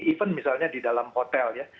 bahkan misalnya di dalam hotel